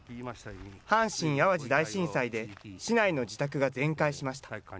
阪神・淡路大震災で、市内の自宅が全壊しました。